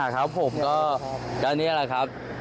ครับผมก็นี่แหละครับ